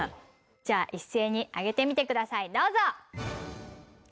じゃあ一斉に挙げてみてくださいどうぞ！